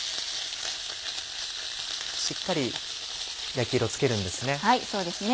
しっかり焼き色つけるんですね。